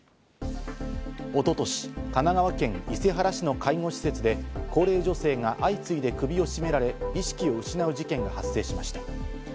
一昨年、神奈川県伊勢原市の介護施設で高齢女性が相次いで首を絞められ、意識を失う事件が発生しました。